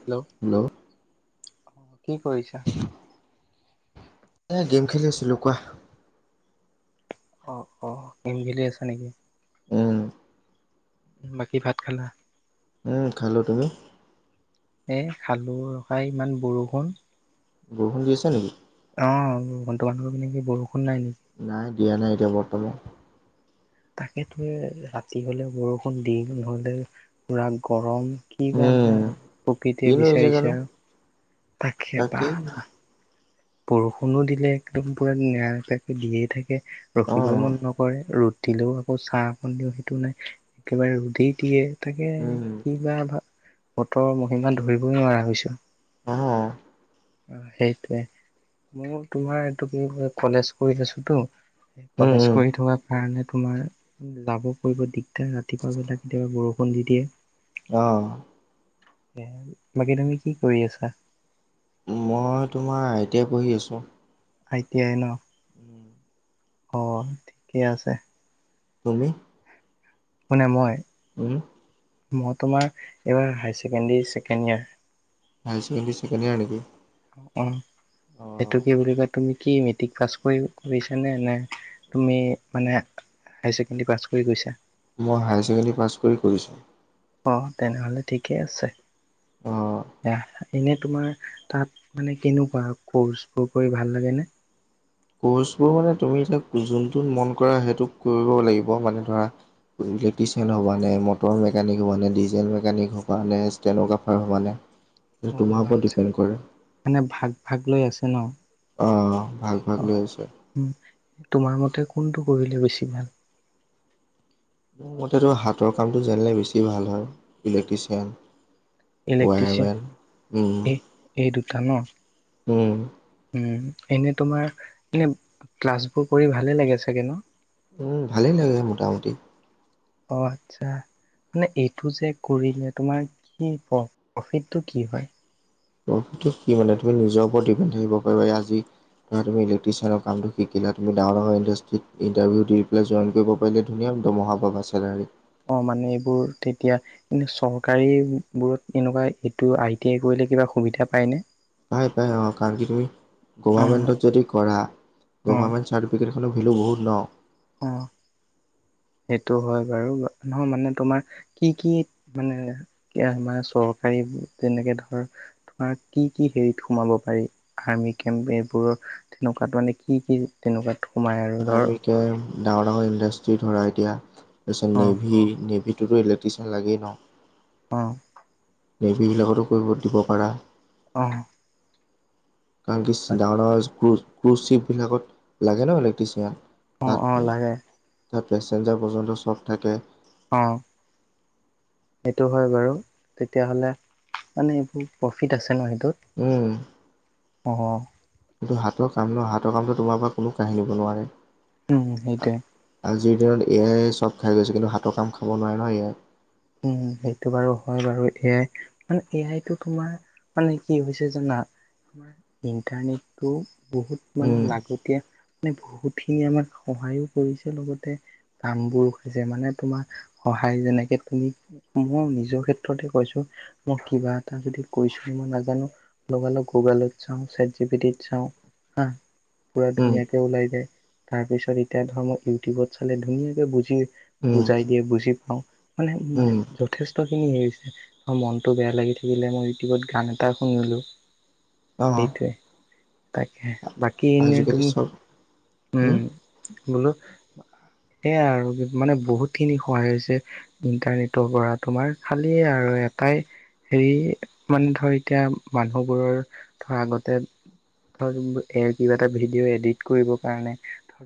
Hello hello কি কৰিছা এয়া গেম খেলি আছিলো কোৱা অ অ গেম খেলি আছা নেকি উম বাকী ভাত খালা ওম খালো তুমি এই খালো ৰবা ইমান বৰষুণ বৰষুণ দি আছে নেকি অ [unintelligible] কি বৰষুণ নাই নেকি নাই দিয়া নাই এতিয়া বৰ্তমান তাকেহে ৰাতি হলে বৰষুণ দিন হলে পুৰা গৰম কি বা উম বা প্ৰকৃতিয়ে কিনো হৈছে জানো বিচাৰিছে আৰু তাকে বা তাকেই বৰষুণো দিলে একদম পুৰা নৰা নেপেৰাকে দিয়েই থাকে অ ৰখিবই মন নকৰে ৰ'দ দিলেও আকৌ চাহ অকণ দিওঁ সেইটো নাই একেবাৰে ৰদেই দিয়ে তাকে উম কিবা ভাল বতৰৰ মহিমা ধৰিবই নোৱাৰা হৈছো আহা অ সেইটোৱে মোৰ তোমাৰ এইটো কি ক কলেজ কৰি আছোতো উম কলেজ উম কৰি থকা কাৰণে তোমাৰ লাভো কৰিব দিগ তেয়া ৰাতিপুৱা বেলাত কেতিয়াবা বৰষুণ দি দিয়ে অ এ বাকী তুমি কি কৰি আছা মই তোমাৰ আই টি আই পঢ়ি আছোঁ। আই টি আই ন অ ঠিকে আছে। তুমি কোনে মই উম মই তোমাৰ এইবাৰ high secondary second year. High second year নেকি? অহ অ এইটো কি বুলি কয় তুমি কি মেট্ৰিক পাছ কৰি কৰিছানে নে তুমি মানে হায়াৰ ছেকেণ্ডাৰী পাছ কৰি গৈছা মই হায়াৰ ছেকেণ্ডেৰী পাছ কৰি কৰিছোঁ। অঁ তেনেহ'লে ঠিকেই আছে অ দিয়া এনেই তোমাৰ তাত মানে কেনেকুৱা ক'চবোৰ কৰি ভাল লাগেনে? কৰ্চবোৰ মানে তুমি এতিয়া যোনটো মন কৰা সেইটোক কৰিব লাগিব মানে ধৰা ইলেক্ট্ৰিচিয়ান হ'বা নে, মটৰ মেকানিক হ'বা নে, ডিজেল মেকানিক হ'বা নে, ষ্টেন'গ্ৰাফাৰ হ'বা নে অ অ তোমাৰ ওপৰত আচ্ছা ডিপেণ্ড কৰে মানে ভাগ ভাগ লৈ আছে ন অ ভাগ ভাগ অ লৈ আছে। উম তোমাৰ মতে কোনটো কৰিলে বেছি ভাল মোৰ মতেতো হাতৰ কামটো জানিলে বেছি ভাল হয় ইলেক্ট্ৰিচিয়ান। ইলেক্ট্ৰিচিয়ান [unintelligible] উম এই এই দুটা ন উম উ এনে তোমাৰ এনে ক্লাছবোৰ কৰি ভালে লাগে চাগে ন। উম ভালে লাগে মোটামুটি। অ আচ্ছা মানে এইটো যে কৰিলে তোমাৰ কি প্ৰ প্ৰফিটতো কি হয়? প্ৰফিটতো কি মানে তুমি নিজৰ ওপৰত ডিপেণ্ড থাকিব পাৰিবা এই আজি তুমি ইলেকট্ৰিচিয়ানৰ কামটো শিকিলা তুমি ডাঙৰ ডাঙৰ ইণ্ডাষ্ট্ৰীত ইণ্টাৰভিউ দি পিনে জইন কৰিব পাৰিলেটো ধুনীয়া দৰমাহ পাবা চেলাৰী অ মানে এইবোৰ তেতিয়া, এনে চৰকাৰী বোৰত এনেকুৱা এইটো আই টি আই কৰিলে কিবা সুবিধা পায় নে? পাই পাই অ কাৰণ কি তুমি অ গভাৰমেণ্টত যদি কৰা অ গভামেণ্ট চাৰ্টিফিকেট খনৰ ভেলু বহুত ন। অ সেইটো হয় বাৰু নহয় মানে তোমাৰ কি কি মানে কিয়া আমাৰ চৰকাৰী যেনেকে ধৰ কি কি হেৰিত সোমাব পাৰি আৰ্মি কেম্প এইবোৰ তেনেকুৱাত মানে কি কি তেনেকুৱাত সোমায় আৰু ধৰ- আমি ডাঙৰ ডাঙৰ ইণ্ডাষ্ট্ৰী ধৰা এতিয়া তাৰপিছত অ নেভি নেভিত- টোতো ইলেকট্ৰিচিয়ান লাগেই ন। অ নেভি বিলাকতো কৰিব দিব পাৰা। অ কাৰণ কি ডাঙৰ ডাঙৰ ক্ৰু ক্ৰুজ চিপবিলাকত লাগে ন ইলেক্ট্ৰিচিয়ান। অ অ তাত লাগে তাত পেচেঞ্জাৰ পৰ্যন্ত চব থাকে। অঁ। সেইটো হয় বাৰু তেতিয়াহ'লে মানে এইবোৰ প্ৰফিট আছে ন সেইটোত। উম। অঁ অহ। এইটো হাতৰ কামটো হাতৰ কামটো তোমাৰ পৰা কোনো কাহিনিব নোৱাৰে। উম সেইটোয়ে। আজিৰ দিনত এ আই চব খাই গৈছে কিন্তু হাতৰ কাম খাব নোৱাৰে ন এ আই। উম সেইটো বাৰু হয় বাৰু এ আই মানে এ আই টো তোমাৰ। মানে কি হৈছে জানা ইণ্টাৰনেটটো বহুত। উম মানে লাগতি মানে বহুতখিনি আমাক সহায়ো কৰিছে লগতে। কামবোৰ হৈছে মানে তোমাৰ সহায় যেনেকে, তুমি মই নিজৰ ক্ষেত্ৰতে কৈছো মই কিবা এটা যদি কৈছো মই নাজানো। লগা লগ গুগল অত চাওঁ চেট জি পি তিত চাওঁ হা? পুৰা উম ধুনীয়াকে ওলাই যায় তাৰ পিছত এতিয়া ধৰ ম ইউটিউবত চালে ধুনীয়াকে বুজি উম বুজাই দিয়ে বুজি পাওঁ উম মানে যথেষ্ট খিনি হৈছে। মই মনটো বেয়া লাগি থাকিলে মই ইউটিউবত গান এটা শুনিলো। অ সেইটোৱে তাকে বাকী এনেই আজিকালি তুমি চব উম। বোলো সেয়া আৰু মানে বহুত খিনি সহায় হৈছে। ইণ্টাৰনেটৰ পৰা তোমাৰ খালী আৰু এটাই। হেৰি মানে ধৰ এতিয়া মানুহবোৰৰ ধৰ আগতে। এ কিবা এটা ভিডিঅ' এডিট কৰিবৰ কাৰণে।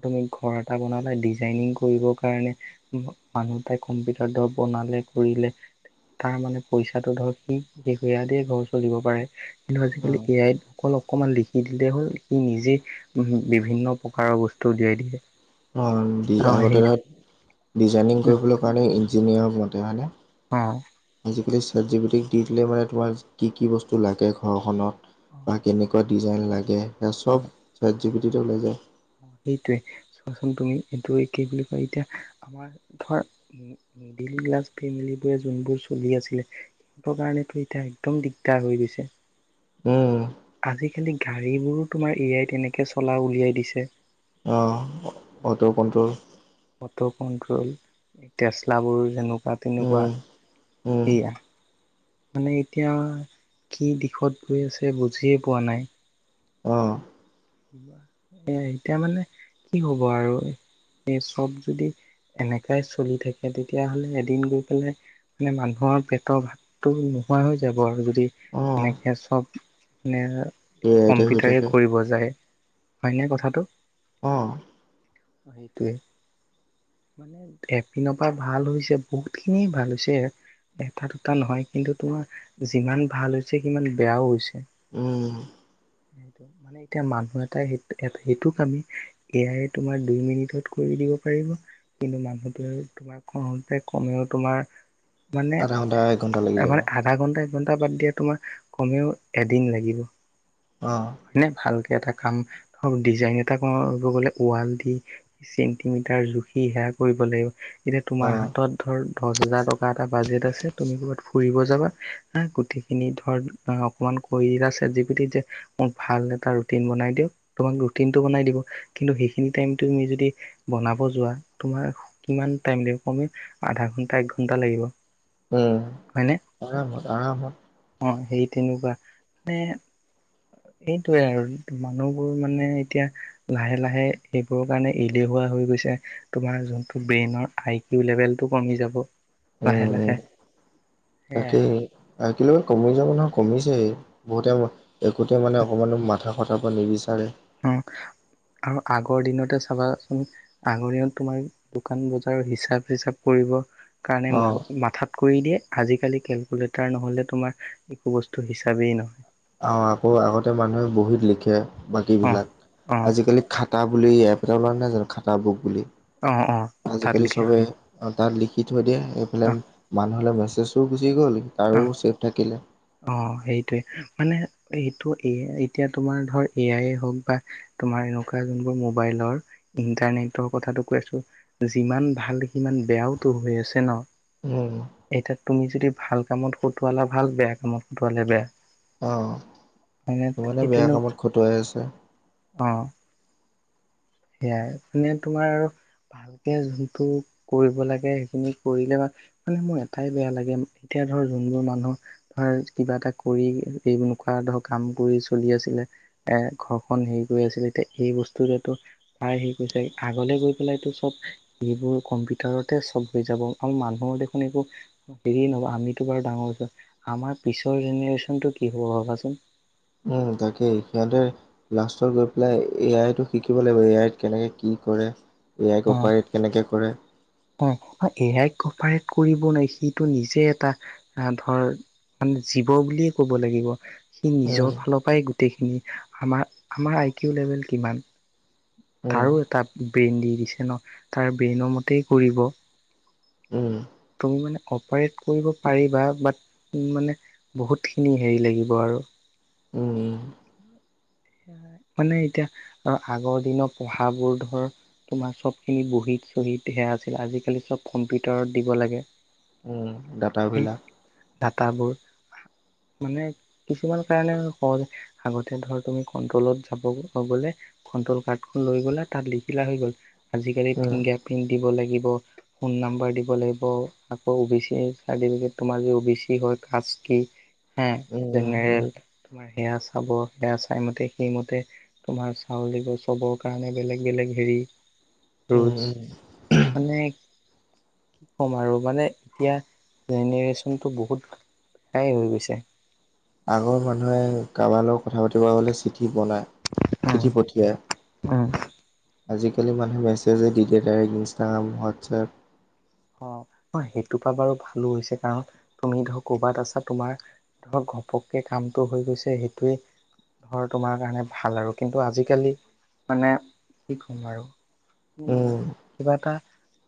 তুমি ঘৰ এটা বনালা ডিজাইনিং কৰিবৰ কাৰণে মানুহ তাই কম্পিউটাৰ। ৰ বনালে কৰিলে। তাৰ মানে পইচাটো ধৰক সি সিবিলা দিয়ে ঘৰ চলিব পাৰে। কিন্তু অ আজিকালি এ আই ত অকল অকমান লিখি দিলেই হ'ল নিজে উম বিভিন্ন প্ৰকাৰৰ বস্তু উলিয়াই দিলে। অ', আগতে ধৰক ডিজাইনিং কৰিবলৈ কাৰণে ইঞ্জিনিয়াৰ মতে হয়নে? অঁ। আজিকালি ছেট যি পি টিক দি দিলে মানে তোমাৰ কি কি বস্তু লাগে ঘৰখনত। বা অ কেনেকুৱা ডিজাইন লাগে সেয়া চব ছেত জি পি টিত এ ওলাই যায়। অ সেইটোৱে চোৱাচোন তুমি এইটোৱে কি বুলি কয় এতিয়া আমাৰ ধৰ। মিডিল ক্লাছ ফেমিলি বোৰে যোনবোৰ চলি আছিলে। কাৰণেতো এতিয়া একদম দিগদাৰ হৈ গৈছে। উম। আজিকালি গাড়ীবোৰো তোমাৰ এ আই এনেকে চলা উলিয়াই দিছে। অঁ অটো' কণ্ট্ৰল। মটৰ কণ্ট্ৰল এই টেচলাবোৰ যেনেকুৱা তেনেকুৱা। উম উম। সেয়া মানে এতিয়া কি দিশত গৈ আছে বুজিয়ে পোৱা নাই। অহ এ এতিয়া মানে কি হব আৰু এ চব যদি। এনেকাই চলি থাকে তেতিয়াহলে এদিন গৈ পেলাই। মানে মানুহৰ পেটৰ ভাতটো নোহোৱা হৈ যাব আৰু যদি। অহ এনেকে চব মানে এ আইতে হৈ কম্পিউটাৰে থাকে কৰিব যায়। হয়নে কথাটো। অ', সেইটোৱে মানে এপিনৰ পৰা ভাল হৈছে বহুত খিনি ভাল হৈছে এথা দুথা নহয় কিন্তু তোমাৰ যিমান ভাল হৈছে সিমান বেয়াও হৈছে। উম, সেইটোৱে মানে এতিয়া মান এটা স এ সেইটো কামে এ আই তোমাৰ দুই মিনিটত কৰি দিব পাৰিব। কিন্তু মানুহটোৱে তোমাৰ কওঁতে কমেও তোমাৰ মানে আধা ঘণ্টা এক ঘণ্টা লাগি যাব এবাৰ আধা ঘণ্টা একঘণ্টা বাদ দিয়া তোমাৰ কমেও এদিন লাগিব অ', হয় নে ভালকে এটা কাম ধৰ ডিজাইন এটা কৰিব গলে ৱাল দি চেণ্টিমিটাৰ জুখি সেয়া কৰিব লাগিব এতিয়া তোমাৰ অহ হাতত ধৰ দছ হাজাৰ টকা এটা বাজেট আছে তুমি ক'ৰবাত ফুৰিব যাবা হাঁ, গোটেই খিনি ধৰ অকমান কই দিলা ছেট যিপি টিত যে মোক ভাল এটা ৰুটিন বনাই দিয়ক, তোমাক ৰুটিন টো বনায় দিব, কিন্ত সেই খিনি টাইম তুমি যদি বনাব যোৱা তোমাৰ কিমান টাইম লাগিব কমেও আধা ঘন্টা এক ঘন্টা লাগিব। উম, হয়নে আৰামত আৰামত অ', সেই তেনেকুৱা মানে সেইটোৱে আৰু মানুহবোৰ মানে এতিয়া লাহে লাহে সেইবোৰৰ কাৰণে এলেহুৱা হৈ গৈছে তোমাৰ যোনটো ব্ৰেইনৰ আই কিউ লেভেলটো কমি যাব। উম লাহে উম লাহে সেইয়াই আই কিউ লেভেল কমি যাব নহয় কমিছে বহুতে একোতে মানে অকণমানো মাথা খটাব নিবিচাৰে উম, আৰু আগৰ দিনতে চাবাচোন আগৰ দিনত তোমাৰ দোকান বজাৰ হিচাপ চিচাপ কৰিব কাৰণে অ মগ মাথাত কৰি দিয়ে আজিকালি কেলকুলেটাৰ নহলে তোমাৰ একো বস্তু হিচাপেই নহয় অ', আকৌ আগতে মানুহে বহুত লিখে অ', বাকীবিলাক অ', আজিকালি খাতা বুলি এপ এটা ওলোৱা নাই জানো খাতা বুক বুলি অ', অ' তাত আজিকালি লিখে চবেই তাত লিখি থৈ দিয়ে এইফালে অ', মানুহলে মেছেজো গুচি গ'ল তাৰো অ'। ছেফ থাকিলে অ', সেইটোৱে মানে এইটো এ এতিয়া তোমাৰ ধৰ এ আই হওক বা তোমাৰ এনেকুৱা যোনবোৰ মোবাইলৰ ইন্টাৰনেটৰ কথাটো কৈ আছো যিমান ভাল সিমান বেয়াওতো হৈ আছে ন'। উম এতিয়া তুমি যদি ভাল কামত কটোৱালা ভাল বেয়া কামত কটোৱালে বেয়া। অ', হয় নে? ইমানে সেই বেয়া তেনে কামত খটুৱাই আছে অ', সেয়াই মানে তোমাৰ আৰু ভালকে যোনটো কৰিব লাগে সেইখিনি কৰিলে বা মানে মোৰ এটাই বেয়া লাগে এতিয়া ধৰ যোনবোৰ মানুহ হয়, কিবা এটা কৰি এই এনেকুৱা ধৰ কাম কৰি চলি আছিলে এ ঘৰখন হেৰি কৰি আছিল এতিয়া এই বস্তুটোৱেটো তাই সেই কৈছে আগলে গৈ পেলাইতো চব এইবোৰ কম্পিউটাৰতে চব হৈ যাব অ', মানুহৰ দেখোন একো হেৰি নহব আমিতো বাৰু ডাঙৰ হৈছো আমাৰ পিছৰ জেনেৰেশ্যনটো কি হ'ব ভাবাচোন? উম, তাকেই [inaudible] লাষ্টত গৈ পেলাই, এ, আই, টো শিকিব লাগিব এ, আই, ত কেনেকে কি কৰে। এ, আই, ক অপাৰেট কেনেকৈ কৰে। অ, এ, আই, ক কপাৰেট কৰিব নোৱাৰ সিটো নিজে এটা ধৰ মানে, জীৱ বুলিয়ে ক'ব লাগিব। সি, উম, নিজৰ ফালৰ পৰাই গোটেইখিনি, আমাৰ আমাৰ আই, কিউ লেভেল কিমান? উম, তাৰো এটা ব্ৰেইন দি দিছে ন, তাৰ ব্ৰেইনৰ মতেই কৰিব। উম, তুমি মানে অপাৰেট কৰিব পাৰিবা, বাট মানে বহুতখিনি হেৰি লাগিব আৰু। উম, মানে এতিয়া আৰু আগৰ দিনৰ পঢ়াবোৰ ধৰ তোমাৰ চবখিনি বহীত- চহীত সেয়া আছিল, আজিকালি চ'ব কম্পিউটাৰত দিব লাগে। উম, সেই ডাটাবিলাক ডাটাবোৰ, মানে কিছুমান কাৰণে সহজ আগতে ধৰ তুমি কন্ট্ৰলত যাব গ'লে কণ্ট্ৰল কাৰ্ডখন লৈ গ'লে তাত লিখিলা হৈ গ'ল। আজিকালি উম, ফিংগাৰ প্ৰিণ্ট দিব লাগিব। ফোন নাম্বৰ দিব লাগিব, আকৌ অ' বি চি চাৰ্টিফিকেট তোমাৰ যে, অ' বি চি হয় কাষ্ট কি? হে, উম, উম, জেনেৰেল, তোমাৰ সেয়া চাব সেয়া টাইমতে, সেইমতে তোমাৰ চাউল দিবোৰ চবৰ কাৰণে বেলেগ, বেলেগ হেৰি? উম, ৰোলছ, উম। মানে কি ক'ম আৰু মানে এতিয়া জেনেৰে্চনটো বহুত হাই হৈ গৈছে। আগৰ মানুহে কাৰোবাৰ লগত কথা পাতিব গ'লে চিঠি বনায়, উম চিঠি পঠিয়ায়। উম, আজিকালি মানুহে মেছেজে দিয়োইৰেক্ট, ইনষ্টাগ্ৰাম হোৱাটছএপ। অ, সেইটোৰ পৰা বাৰু ভালো হৈছে কাৰণ, তুমি ধৰ কৰ'বাত আছা তোমাৰ ধৰক, ঘপককৈ কামটো হৈ গৈছে সেইটোৱেই ঘৰ তোমাৰ কাৰণে ভাল আৰু কিন্তু আজিকালি মানে কি ক'ম আৰু। উম, কিবা এটা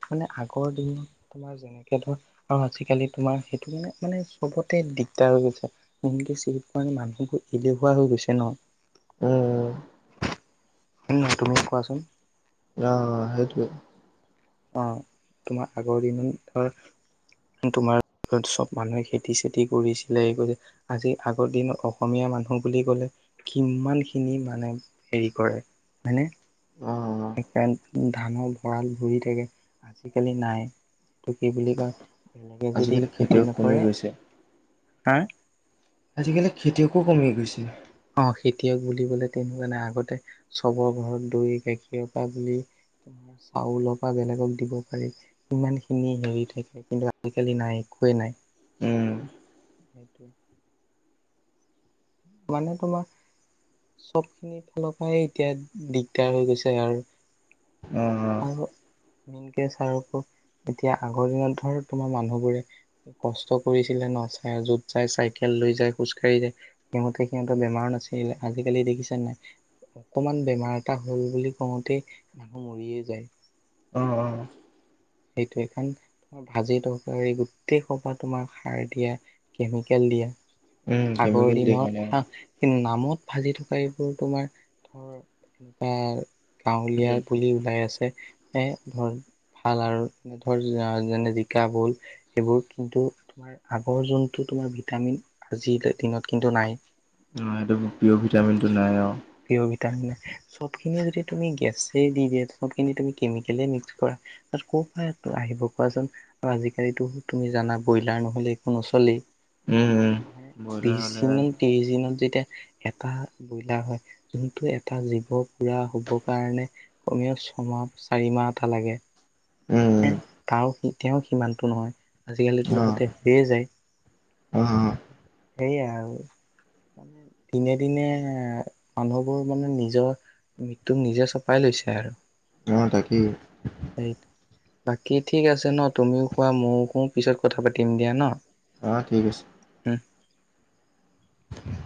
মানে আগৰ দিন তোমাৰ যেনেকে ধৰ আৰু আজিকালি তোমাৰ সেইটো মানে, মানে চবতে দিগদাৰ হৈ গৈছে। [inaudible] মানুহবোৰ এলেহুৱা হৈ গৈছে ন, উম, উম, নহয় তুমি কোৱাচোন। অ, সেইটোৱে। অ, তোমাৰ আগৰ [inaudible] ধৰ তোমাৰ ঘৰত চ'ব মানুহে খেতি-চেতি কৰিছিলে এ আজি আগৰ দিনত অসমীয়া মানুহ বুলি ক'লে। কিমানখিনি মানে হেৰি কৰে, হয় নে? অ'। সেইকাৰণে ধানৰ ভঁৰাল ভৰি কে, আজিকালি নাই, এইটো কি বুলি কয়। বেলেগে যদি আজিকালি খেতি খেতিয়ক কমি নকৰে, গৈছে, হা আজিকালি খেতিয়কো কমি গৈছে। অ, খেতিয়ক বুলিবলৈ তেনেকুৱা নাই, জানে আগতে চবৰ ঘৰত দৈ গাখীৰৰ পৰা বুলি চাউলৰ পৰা বেলেগক দিব পাৰি। ইমান খিনি হেৰি থাকে, কিন্তু আজিকালি নাই একোৱেই নাই। উম, সেইটো মানে, তোমা সব খিনিৰ ফালৰ পৰাই এতিয়া দিগদাৰ হৈ গৈছে আৰু। অ অ মিনকে ছাৰকো এতিয়া আগৰ দিনত ধৰ তোমাৰ মানুহবোৰে কষ্ট কৰিছিলে ন ছাই য'ত যাই চাইকেল লৈ যাই খোজ কাঢ়ি যায়। সিহঁতি সিহঁত বেমাৰ নাছিলে আজিকালি দেখিছে নাই অকমান বেমাৰ এটা হ'ল বুলি কওঁতেই মানুহ মৰিয়েই যায়। অ অ। সেইটোৱে খন অ ভাজি তৰকাৰী গোটেই সপাহ তোমাৰ সাৰ দিয়া কেমিকেল দিয়া উম, আগৰ কেমিকেল দিয়ে দিনৰ কাৰণে। হা কিন্তু নামত ভাজি থকা এইবোৰ তোমাৰ ধৰ তেনকুৱা গাঁৱলীয়া উম, বুলি ওলাই আছে এ ধৰ কালাৰ নে ধৰ যেনে জিকা ভোল সেইবোৰ কিন্তু আগৰ যোনটো তোমাৰ ভিটামিন আজিৰ দিনত কিন্তু নাই। [unintelligible] পিঅ'ৰ ভিটামিনটো নাই অ পিঅৰ ভিটামিন চবখিনি যদি তুমি গেছেই দি দিয়া সবখিনি তুমি কেমিকেলে মিক্স কৰা তা ক পা আহিব কোৱাচোন আজিকালিতো তুমি জানা ব্ৰইলাৰ নহলে একো নচলেই। উম, উম, হে ব্ৰইলাৰ বিশ হ'লে হিনন ত্ৰিশ দিনত যেতিয়া এটা ব্ৰইলাৰ হয়। যোনটো এটা জীৱ পুৰা হ'ব কাৰণে কমীয়া ছমাহ চাৰিমাহ এটা লাগে। হে উম, তাও সিতিয়াও সিমানটো নহয় আজিকালিতো অ', লগতে হৈয়ে যায়। অ', অ', সেইয়া আৰু মানে দিনে দিনে মানুহবোৰ মানে নিজৰ মৃত্যুক নিজে চপাই লৈছে আৰু। অ তাকেই সেইত বাকী ঠিক আছে ন তুমিও খোৱা মও কও পিছত কথা পাতিম দিয়া ন। অ ঠিক আছে। [inaudible]